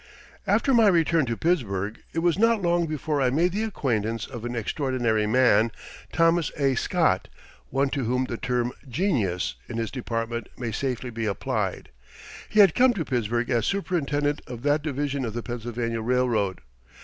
After my return to Pittsburgh it was not long before I made the acquaintance of an extraordinary man, Thomas A. Scott, one to whom the term "genius" in his department may safely be applied. He had come to Pittsburgh as superintendent of that division of the Pennsylvania Railroad.